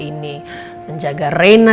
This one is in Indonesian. ini menjaga reina